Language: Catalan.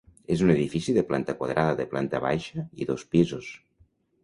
És un edifici de planta quadrada, de planta baixa i dos pisos.